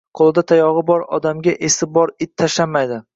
Qoʻlida tayogʻi bor odamga esi bor it tashlanmaydi